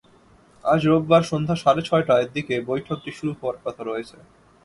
আজ রোববার সন্ধ্যা সাড়ে ছয়টার দিকে বৈঠকটি শুরু হওয়ার কথা রয়েছে।